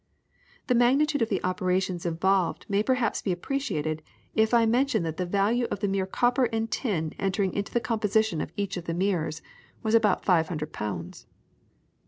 The magnitude of the operations involved may perhaps be appreciated if I mention that the value of the mere copper and tin entering into the composition of each of the mirrors was about 500 pounds.